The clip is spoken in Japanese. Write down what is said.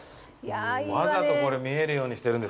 わざとこれ見えるようにしてるんですね。